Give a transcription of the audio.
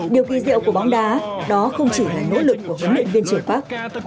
điều kỳ diệu của bóng đá đó không chỉ là nỗ lực của huấn luyện viên trường pháp